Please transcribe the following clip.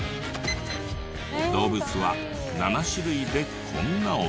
動物は７種類でこんな音が。